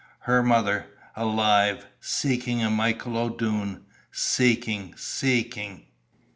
Her mother. Alive. Seeking a Michael O'Doone seeking seeking....